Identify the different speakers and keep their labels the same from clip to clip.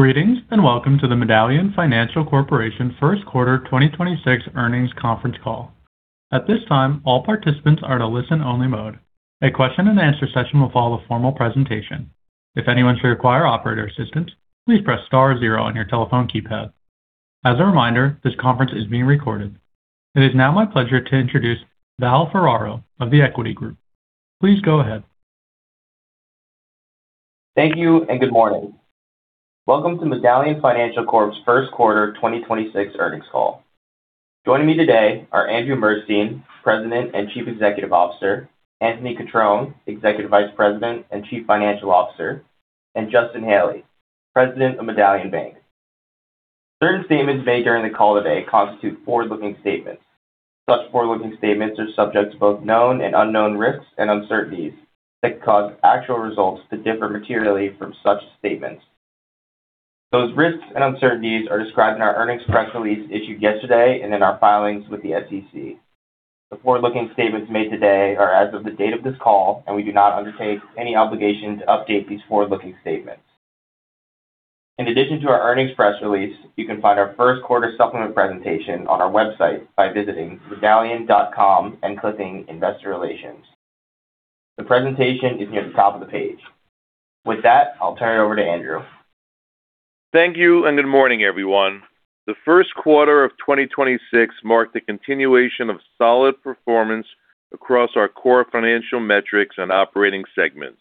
Speaker 1: Greetings, and welcome to the Medallion Financial Corp. first quarter 2026 earnings conference call. At this time, all participants are in a listen-only mode. A question-and-answer session will follow the formal presentation. If anyone should require operator assistance, please press star zero on your telephone keypad. As a reminder, this conference is being recorded. It is now my pleasure to introduce Val Ferraro of The Equity Group. Please go ahead.
Speaker 2: Thank you, and good morning. Welcome to Medallion Financial Corp.'s first quarter 2026 earnings call. Joining me today are Andrew Murstein, President and Chief Executive Officer, Anthony Cutrone, Executive Vice President and Chief Financial Officer, and Justin Haley, President of Medallion Bank. Certain statements made during the call today constitute forward-looking statements. Such forward-looking statements are subject to both known and unknown risks and uncertainties that could cause actual results to differ materially from such statements. Those risks and uncertainties are described in our earnings press release issued yesterday and in our filings with the SEC. The forward-looking statements made today are as of the date of this call, and we do not undertake any obligation to update these forward-looking statements. In addition to our earnings press release, you can find our first quarter supplement presentation on our website by visiting medallion.com and clicking Investor Relations. The presentation is near the top of the page. With that, I'll turn it over to Andrew.
Speaker 3: Thank you, and good morning, everyone. The first quarter of 2026 marked the continuation of solid performance across our core financial metrics and operating segments.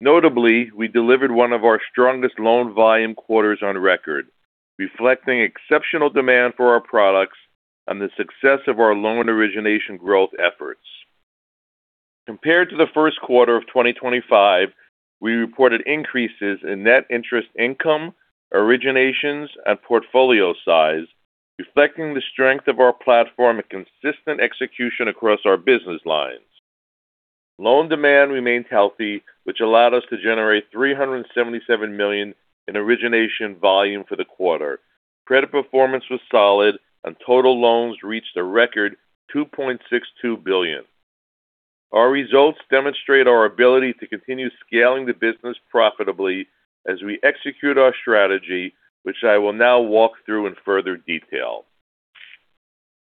Speaker 3: Notably, we delivered one of our strongest loan volume quarters on record, reflecting exceptional demand for our products and the success of our loan origination growth efforts. Compared to the first quarter of 2025, we reported increases in net interest income, originations, and portfolio size, reflecting the strength of our platform and consistent execution across our business lines. Loan demand remained healthy, which allowed us to generate $377 million in origination volume for the quarter. Credit performance was solid, and total loans reached a record $2.62 billion. Our results demonstrate our ability to continue scaling the business profitably as we execute our strategy, which I will now walk through in further detail.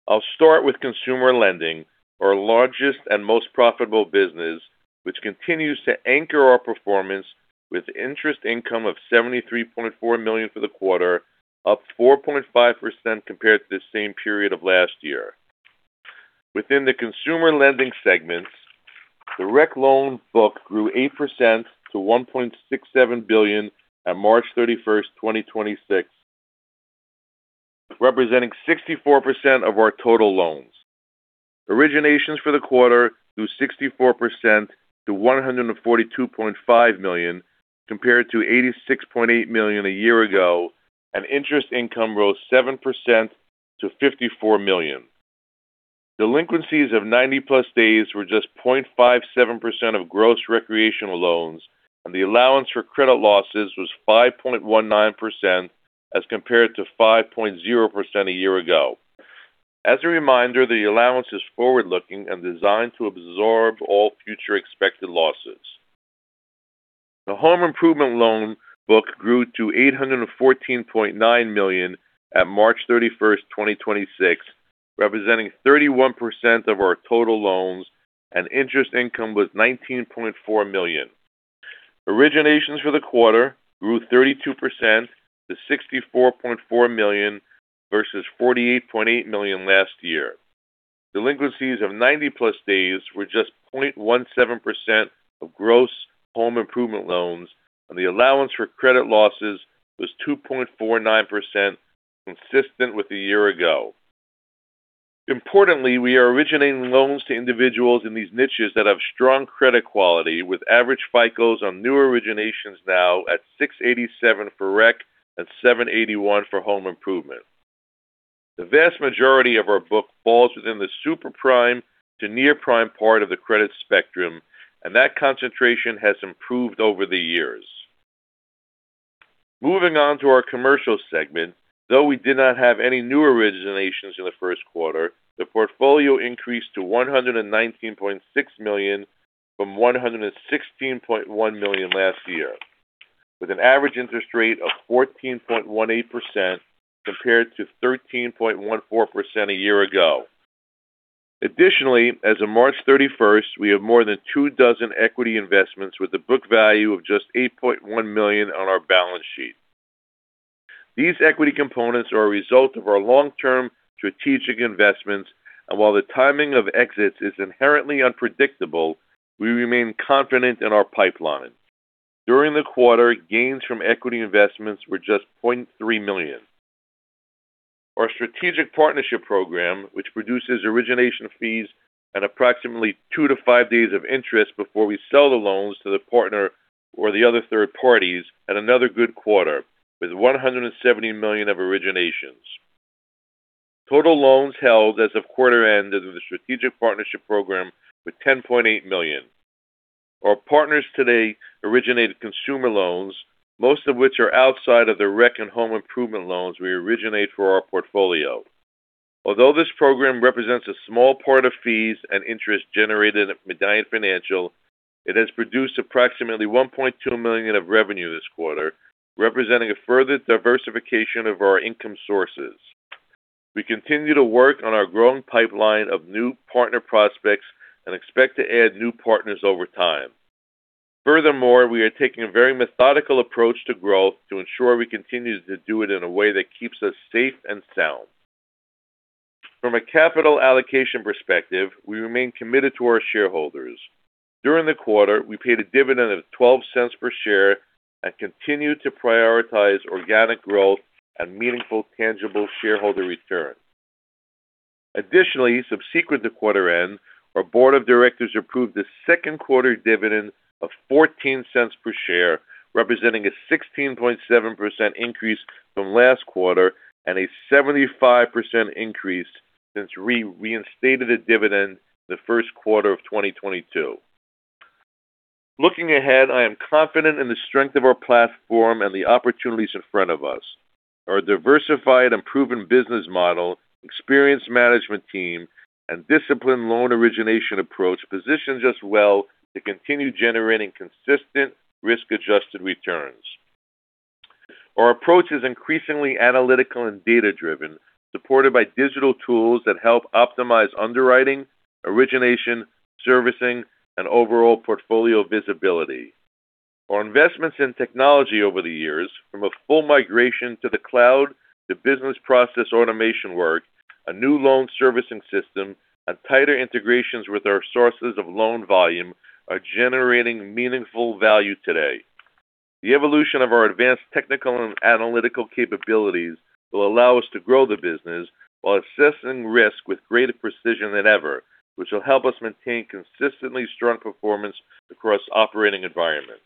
Speaker 3: I'll start with consumer lending, our largest and most profitable business, which continues to anchor our performance with interest income of $73.4 million for the quarter, up 4.5% compared to the same period of last year. Within the consumer lending segments, the rec loan book grew 8% to $1.67 billion on March 31, 2026, representing 64% of our total loans. Originations for the quarter grew 64% to $142.5 million compared to $86.8 million a year ago, and interest income rose 7% to $54 million. Delinquencies of 90+ days were just 0.57% of gross recreational loans, and the allowance for credit losses was 5.19% as compared to 5.0% a year ago. As a reminder, the allowance is forward-looking and designed to absorb all future expected losses. The home improvement loan book grew to $814.9 million at March 31, 2026, representing 31% of our total loans, and interest income was $19.4 million. Originations for the quarter grew 32% to $64.4 million versus $48.8 million last year. Delinquencies of 90+ days were just 0.17% of gross home improvement loans, and the allowance for credit losses was 2.49%, consistent with a year ago. Importantly, we are originating loans to individuals in these niches that have strong credit quality with average FICOs on new originations now at 687 for rec and 781 for home improvement. The vast majority of our book falls within the super prime to near prime part of the credit spectrum, and that concentration has improved over the years. Moving on to our commercial segment, though we did not have any new originations in the first quarter, the portfolio increased to $119.6 million from $116.1 million last year, with an average interest rate of 14.18% compared to 13.14% a year ago. Additionally, as of March 31st, we have more than two dozen equity investments with a book value of just $8.1 million on our balance sheet. These equity components are a result of our long-term strategic investments, and while the timing of exits is inherently unpredictable, we remain confident in our pipeline. During the quarter, gains from equity investments were just $0.3 million. Our strategic partnership program, which produces origination fees and approximately two to five days of interest before we sell the loans to the partner or the other third parties, had another good quarter with $170 million of originations. Total loans held as of quarter-end in the strategic partnership program were $10.8 million. Our partners today originated consumer loans, most of which are outside of the rec and home improvement loans we originate for our portfolio. Although this program represents a small part of fees and interest generated at Medallion Financial, it has produced approximately $1.2 million of revenue this quarter, representing a further diversification of our income sources. We continue to work on our growing pipeline of new partner prospects and expect to add new partners over time. Furthermore, we are taking a very methodical approach to growth to ensure we continue to do it in a way that keeps us safe and sound. From a capital allocation perspective, we remain committed to our shareholders. During the quarter, we paid a dividend of $0.12 per share and continue to prioritize organic growth and meaningful tangible shareholder return. Additionally, subsequent to quarter end, our board of directors approved a second quarter dividend of $0.14 per share, representing a 16.7% increase from last quarter and a 75% increase since we reinstated a dividend the first quarter of 2022. Looking ahead, I am confident in the strength of our platform and the opportunities in front of us. Our diversified and proven business model, experienced management team, and disciplined loan origination approach positions us well to continue generating consistent risk-adjusted returns. Our approach is increasingly analytical and data-driven, supported by digital tools that help optimize underwriting, origination, servicing, and overall portfolio visibility. Our investments in technology over the years, from a full migration to the cloud to business process automation work, a new loan servicing system, and tighter integrations with our sources of loan volume are generating meaningful value today. The evolution of our advanced technical and analytical capabilities will allow us to grow the business while assessing risk with greater precision than ever, which will help us maintain consistently strong performance across operating environments.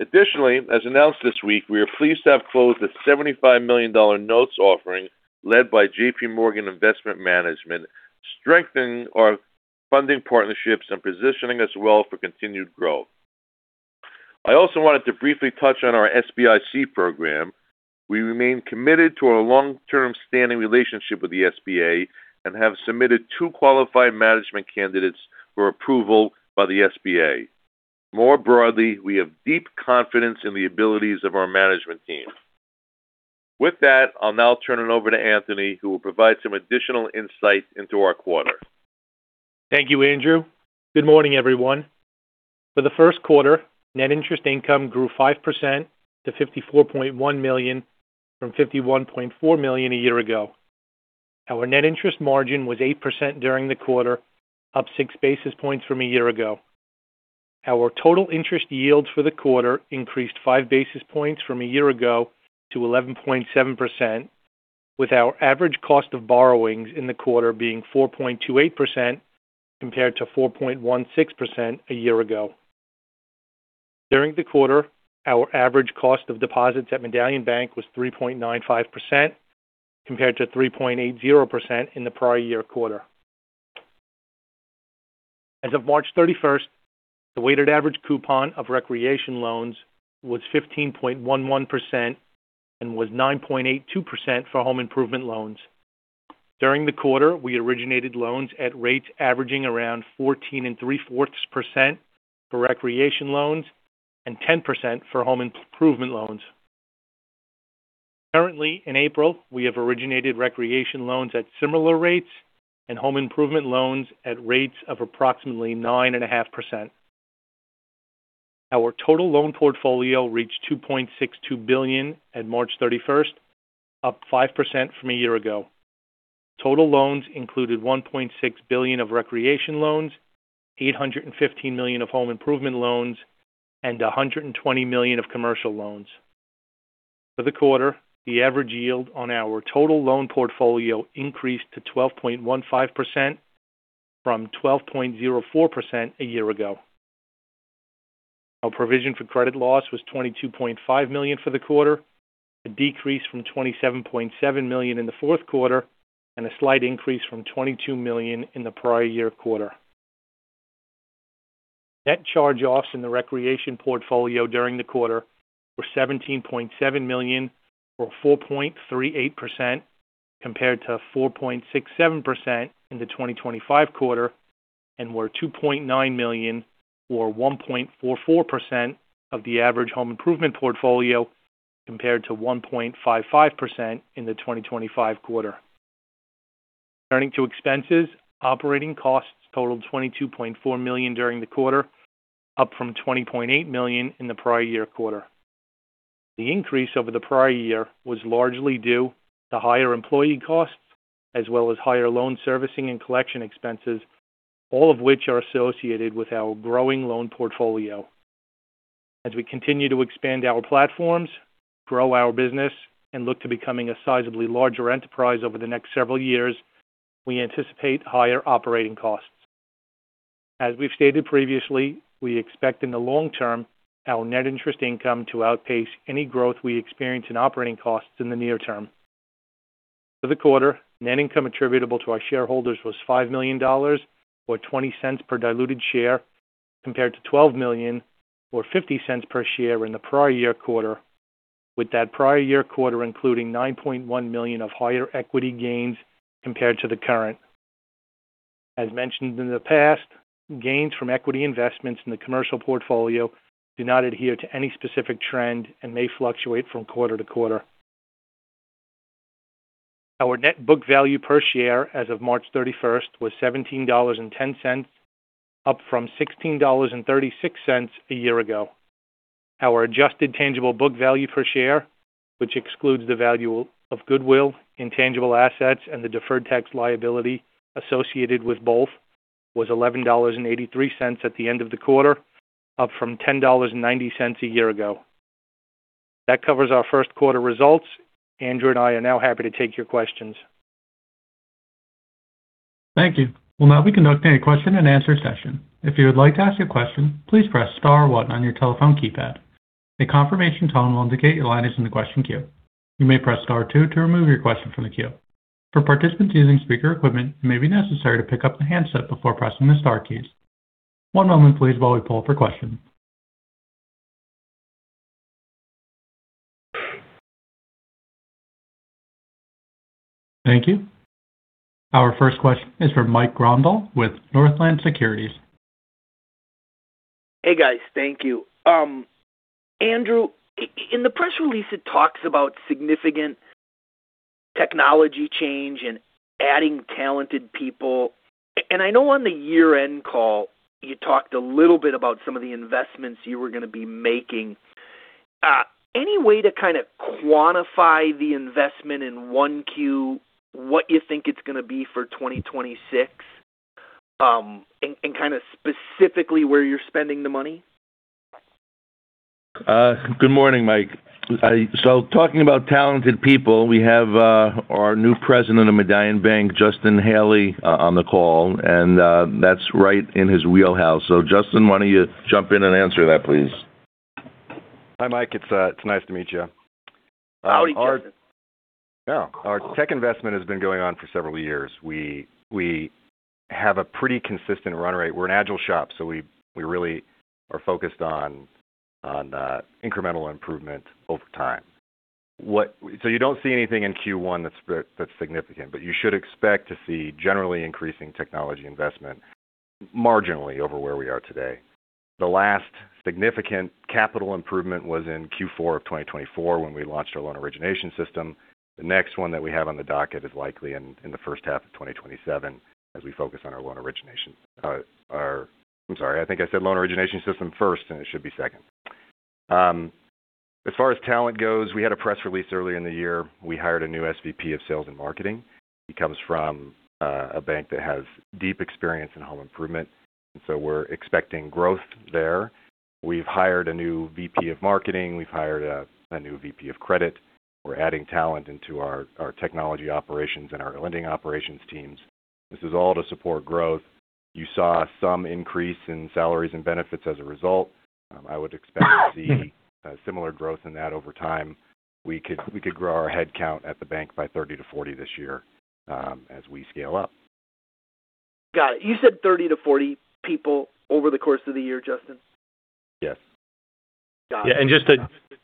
Speaker 3: Additionally, as announced this week, we are pleased to have closed a $75 million notes offering led by JPMorgan Investment Management, strengthening our funding partnerships and positioning us well for continued growth. I also wanted to briefly touch on our SBIC program. We remain committed to our long-term standing relationship with the SBA and have submitted two qualified management candidates for approval by the SBA. More broadly, we have deep confidence in the abilities of our management team. With that, I'll now turn it over to Anthony, who will provide some additional insight into our quarter.
Speaker 4: Thank you, Andrew. Good morning, everyone. For the first quarter, net interest income grew 5% to $54.1 million from $51.4 million a year ago. Our net interest margin was 8% during the quarter, up 6 basis points from a year ago. Our total interest yields for the quarter increased 5 basis points from a year ago to 11.7%, with our average cost of borrowings in the quarter being 4.28% compared to 4.16% a year ago. During the quarter, our average cost of deposits at Medallion Bank was 3.95% compared to 3.80% in the prior year quarter. As of March 31st, the weighted average coupon of recreation loans was 15.11% and was 9.82% for home improvement loans. During the quarter, we originated loans at rates averaging around 14.75% for recreation loans and 10% for home improvement loans. Currently, in April, we have originated recreation loans at similar rates and home improvement loans at rates of approximately 9.5%. Our total loan portfolio reached $2.62 billion at March 31st, up 5% from a year ago. Total loans included $1.6 billion of recreation loans, $815 million of home improvement loans, and $120 million of commercial loans. For the quarter, the average yield on our total loan portfolio increased to 12.15% from 12.04% a year ago. Our provision for credit losses was $22.5 million for the quarter, a decrease from $27.7 million in the fourth quarter and a slight increase from $22 million in the prior year quarter. Net charge-offs in the recreation portfolio during the quarter were $17.7 million or 4.38% compared to 4.67% in the 2025 quarter and were $2.9 million or 1.44% of the average home improvement portfolio compared to 1.55% in the 2025 quarter. Turning to expenses, operating costs totaled $22.4 million during the quarter, up from $20.8 million in the prior year quarter. The increase over the prior year was largely due to higher employee costs as well as higher loan servicing and collection expenses, all of which are associated with our growing loan portfolio. As we continue to expand our platforms, grow our business, and look to becoming a sizably larger enterprise over the next several years, we anticipate higher operating costs. As we've stated previously, we expect in the long term our net interest income to outpace any growth we experience in operating costs in the near term. For the quarter, net income attributable to our shareholders was $5 million or $0.20 per diluted share. Compared to $12 million or $0.50 per share in the prior year quarter, with that prior year quarter including $9.1 million of higher equity gains compared to the current. As mentioned in the past, gains from equity investments in the commercial portfolio do not adhere to any specific trend and may fluctuate from quarter to quarter. Our net book value per share as of March 31st was $17.10, up from $16.36 a year ago. Our adjusted tangible book value per share, which excludes the value of goodwill, intangible assets, and the deferred tax liability associated with both, was $11.83 at the end of the quarter, up from $10.90 a year ago. That covers our first quarter results. Andrew and I are now happy to take your questions.
Speaker 1: Thank you. We will now be conducting a question and answer session. If you like to ask a question, please press star one on your telephone keypad. The confirmation tone will indicate your line is in the question queue. You may press star two to remove your question from the queue. For participants using speaker equipment, it may be necessary to pick up the handset before pressing the star key. One moment please while we poll for questions. Our first question is from Mike Grondahl with Northland Securities.
Speaker 5: Hey, guys. Thank you. Andrew, in the press release, it talks about significant technology change and adding talented people. I know on the year-end call you talked a little bit about some of the investments you were gonna be making. Any way to kind of quantify the investment in 1Q, what you think it's gonna be for 2026, and kind of specifically where you're spending the money?
Speaker 3: Good morning, Mike. Talking about talented people, we have, our new President of Medallion Bank, Justin Haley, on the call, and, that's right in his wheelhouse. Justin, why don't you jump in and answer that, please?
Speaker 6: Hi, Mike. It's nice to meet you.
Speaker 5: Howdy, Justin.
Speaker 6: Yeah. Our tech investment has been going on for several years. We have a pretty consistent run rate. We're an agile shop, we really are focused on incremental improvement over time. You don't see anything in Q1 that's significant, you should expect to see generally increasing technology investment marginally over where we are today. The last significant capital improvement was in Q4 of 2024 when we launched our loan origination system. The next one that we have on the docket is likely in the first half of 2027 as we focus on our loan origination. Our I'm sorry, I think I said loan origination system first, it should be second. As far as talent goes, we had a press release earlier in the year. We hired a new SVP of sales and marketing. He comes from a bank that has deep experience in home improvement. We're expecting growth there. We've hired a new VP of marketing. We've hired a new VP of credit. We're adding talent into our technology operations and our lending operations teams. This is all to support growth. You saw some increase in salaries and benefits as a result. I would expect to see similar growth in that over time. We could grow our head count at the bank by 30 to 40 this year as we scale up.
Speaker 5: Got it. You said 30 to 40 people over the course of the year, Justin?
Speaker 6: Yes.
Speaker 5: Got it.
Speaker 4: Yeah.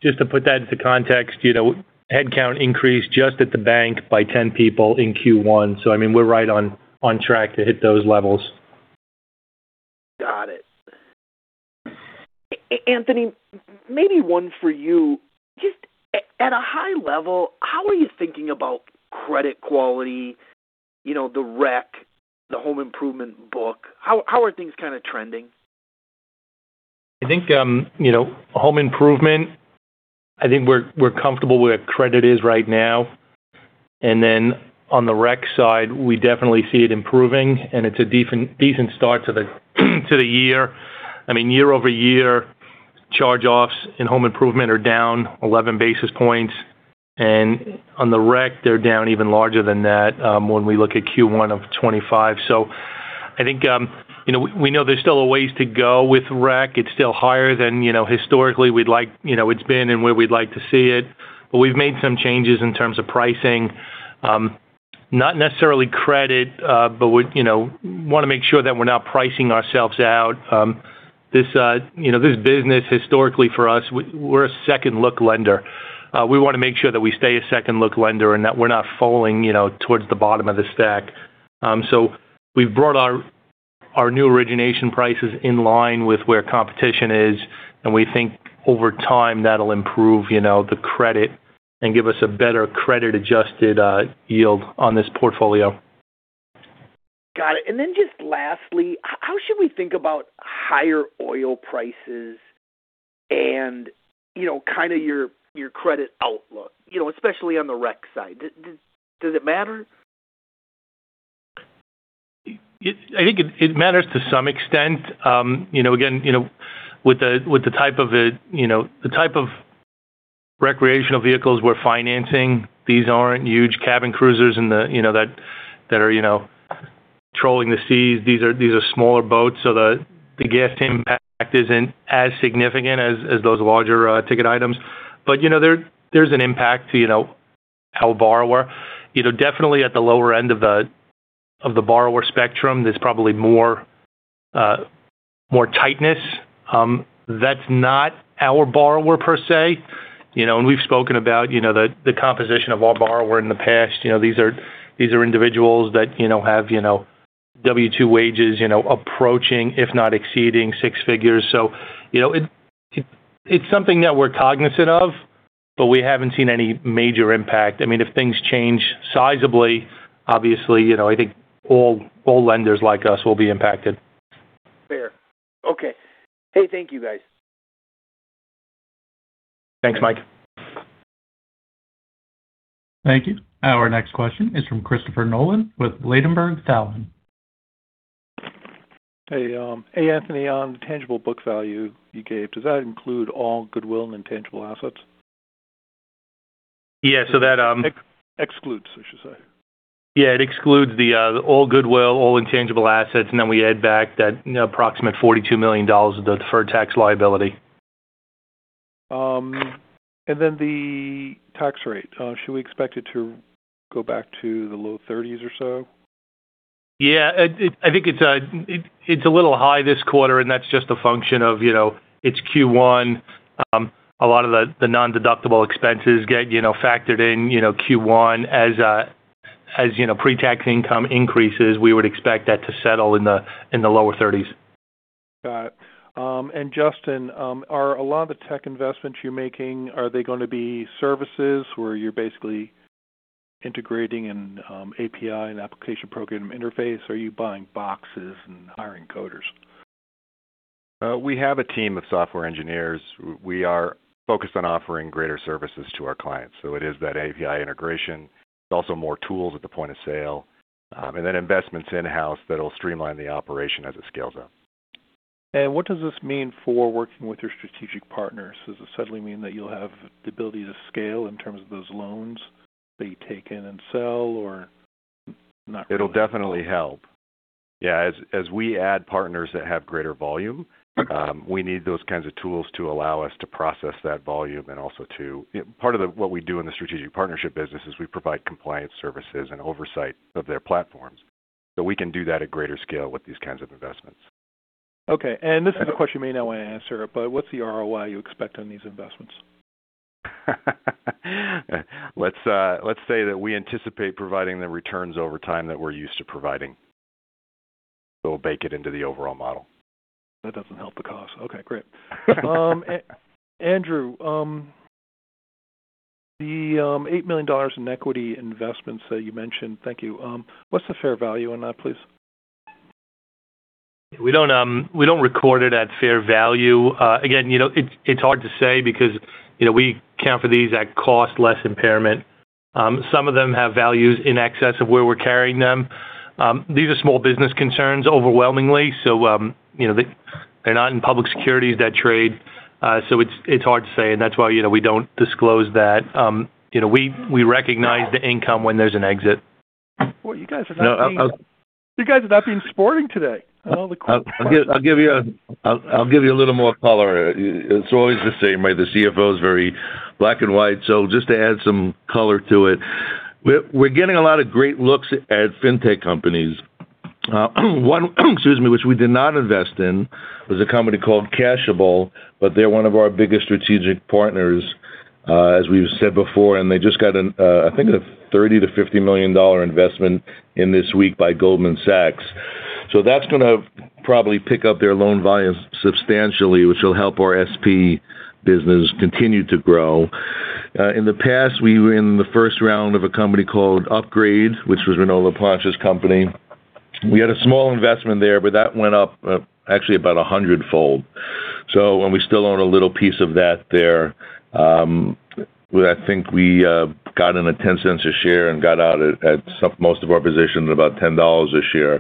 Speaker 4: Just to put that into context, you know, head count increased just at the Bank by 10 people in Q1. I mean, we're right on track to hit those levels.
Speaker 5: Got it. Anthony, maybe one for you. Just at a high level, how are you thinking about credit quality, you know, the rec, the home improvement book? How are things kinda trending?
Speaker 4: I think, you know, home improvement, I think we're comfortable where credit is right now. On the rec side, we definitely see it improving, and it's a decent start to the year. I mean, year-over-year, charge-offs in home improvement are down 11 basis points. On the rec, they're down even larger than that, when we look at Q1 of 2025. I think, you know, we know there's still a ways to go with rec. It's still higher than, you know, historically we'd like, you know, it's been and where we'd like to see it. But we've made some changes in terms of pricing. Not necessarily credit, but we're, you know, wanna make sure that we're not pricing ourselves out. This, you know, this business historically for us, we're a second-look lender. We wanna make sure that we stay a second-look lender and that we're not falling, you know, towards the bottom of the stack. We've brought our new origination prices in line with where competition is, and we think over time that'll improve, you know, the credit and give us a better credit-adjusted yield on this portfolio.
Speaker 5: Got it. Just lastly, how should we think about higher oil prices and, you know, kinda your credit outlook, you know, especially on the rec side? Does it matter?
Speaker 4: I think it matters to some extent. You know, again, you know, with the type of recreational vehicles we're financing, these aren't huge cabin cruisers in the, you know, that are, you know, trolling the seas. These are smaller boats, so the gas impact isn't as significant as those larger ticket items. You know, there's an impact to Our borrower, you know, definitely at the lower end of the borrower spectrum, there's probably more tightness. That's not our borrower per se. You know, we've spoken about, you know, the composition of our borrower in the past. You know, these are individuals that, you know, have, you know, W-2 wages, you know, approaching, if not exceeding six figures. You know, it's something that we're cognizant of, but we haven't seen any major impact. I mean, if things change sizably, obviously, you know, I think all lenders like us will be impacted.
Speaker 5: Fair. Okay. Hey, thank you, guys.
Speaker 4: Thanks, Mike.
Speaker 1: Thank you. Our next question is from Christopher Nolan with Ladenburg Thalmann.
Speaker 7: Hey, Anthony. On tangible book value you gave, does that include all goodwill and tangible assets?
Speaker 4: Yeah.
Speaker 7: Excludes, I should say.
Speaker 4: Yeah, it excludes the all goodwill, all intangible assets, and then we add back that approximate $42 million of deferred tax liability.
Speaker 7: The tax rate, should we expect it to go back to the low 30s or so?
Speaker 4: Yeah. I think it's a little high this quarter, and that's just a function of, you know, it's Q1. A lot of the non-deductible expenses get, you know, factored in, you know, Q1. As you know, pre-tax income increases, we would expect that to settle in the lower 30s.
Speaker 7: Got it. Justin, are a lot of the tech investments you're making, are they gonna be services where you're basically integrating in, API and application program interface? Are you buying boxes and hiring coders?
Speaker 6: We have a team of software engineers. We are focused on offering greater services to our clients. It is that API integration. It's also more tools at the point of sale, and then investments in-house that'll streamline the operation as it scales up.
Speaker 7: What does this mean for working with your strategic partners? Does this suddenly mean that you'll have the ability to scale in terms of those loans that you take in and sell or not really?
Speaker 6: It'll definitely help. Yeah, as we add partners that have greater volume. We need those kinds of tools to allow us to process that volume. What we do in the strategic partnership business is we provide compliance services and oversight of their platforms. We can do that at greater scale with these kinds of investments.
Speaker 7: Okay. This is a question you may not wanna answer, but what's the ROI you expect on these investments?
Speaker 6: Let's, let's say that we anticipate providing the returns over time that we're used to providing. We'll bake it into the overall model.
Speaker 7: That doesn't help the cause. Okay, great. Andrew, the $8 million in equity investments that you mentioned, thank you, what's the fair value on that, please?
Speaker 4: We don't, we don't record it at fair value. Again, you know, it's hard to say because, you know, we account for these at cost less impairment. Some of them have values in excess of where we're carrying them. These are small business concerns overwhelmingly, so, you know, they're not in public securities that trade. It's, it's hard to say, and that's why, you know, we don't disclose that. You know, we recognize the income when there's an exit.
Speaker 7: Well, you guys have not been.
Speaker 3: No, I'll.
Speaker 7: You guys have not been sporting today.
Speaker 3: I'll give you a little more color. It's always the same way. The CFO is very black and white. Just to add some color to it, we're getting a lot of great looks at fintech companies. One, excuse me, which we did not invest in was a company called Kashable, but they're one of our biggest strategic partners, as we've said before, and they just got a $30 million-$50 million investment in this week by Goldman Sachs. That's gonna probably pick up their loan volumes substantially, which will help our SP business continue to grow. In the past, we were in the first round of a company called Upgrade, which was Renaud Laplanche's company. We had a small investment there, but that went up, actually about 100-fold. We still own a little piece of that there. I think we got in at $0.10 a share and got out at most of our positions about $10 a share.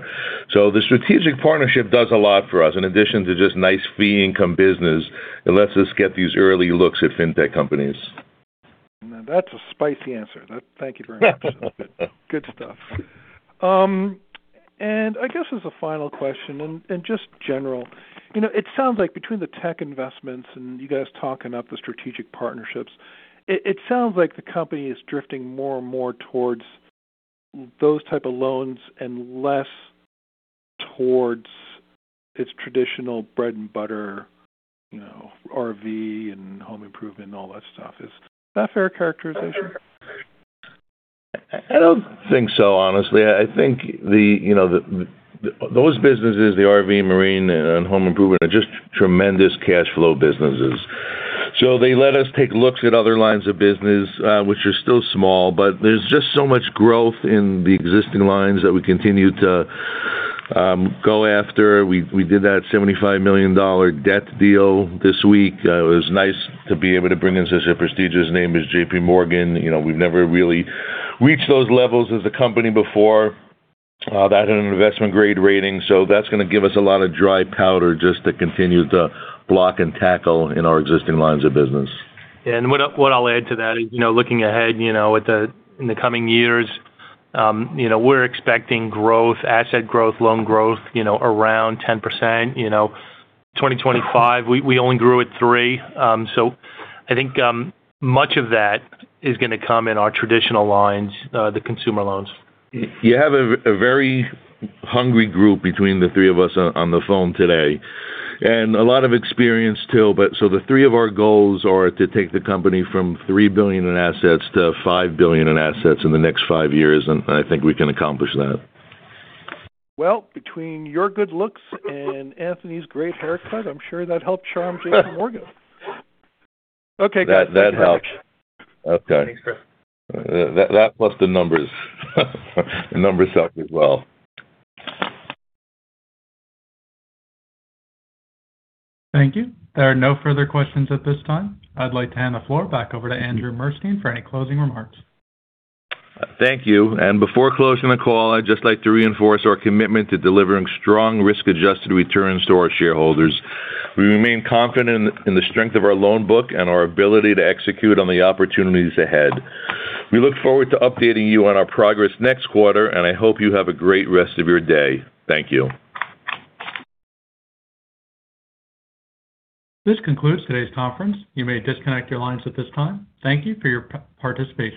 Speaker 3: The Strategic Partnership does a lot for us. In addition to just nice fee income business, it lets us get these early looks at fintech companies.
Speaker 7: Now, that's a spicy answer. Thank you very much. Good stuff. I guess as a final question, and just general. You know, it sounds like between the tech investments and you guys talking up the strategic partnerships, it sounds like the company is drifting more and more towards those type of loans and less towards its traditional bread and butter, you know, RV and home improvement and all that stuff. Is that a fair characterization?
Speaker 3: I don't think so, honestly. I think the, you know, the, those businesses, the RV, marine, and home improvement are just tremendous cash flow businesses. They let us take looks at other lines of business, which are still small, but there's just so much growth in the existing lines that we continue to go after. We did that $75 million debt deal this week. It was nice to be able to bring in such a prestigious name as JPMorgan. You know, we've never really reached those levels as a company before. That had an investment-grade rating. That's gonna give us a lot of dry powder just to continue to block and tackle in our existing lines of business.
Speaker 4: Yeah. What I'll add to that is, you know, looking ahead, you know, in the coming years, you know, we're expecting growth, asset growth, loan growth, you know, around 10%. You know, 2025, we only grew at 3. I think much of that is gonna come in our traditional lines, the consumer loans.
Speaker 3: You have a very hungry group between the three of us on the phone today, and a lot of experience too. The three of our goals are to take the company from $3 billion in assets to $5 billion in assets in the next five years. I think we can accomplish that.
Speaker 7: Well, between your good looks and Anthony's great haircut, I'm sure that helped charm JPMorgan. Okay.
Speaker 3: That helps. Okay.
Speaker 4: Thanks, Chris.
Speaker 3: That plus the numbers. The numbers help as well.
Speaker 1: Thank you. There are no further questions at this time. I'd like to hand the floor back over to Andrew Murstein for any closing remarks.
Speaker 3: Thank you. Before closing the call, I'd just like to reinforce our commitment to delivering strong risk-adjusted returns to our shareholders. We remain confident in the strength of our loan book and our ability to execute on the opportunities ahead. We look forward to updating you on our progress next quarter, and I hope you have a great rest of your day. Thank you.
Speaker 1: This concludes today's conference. You may disconnect your lines at this time. Thank you for your participating.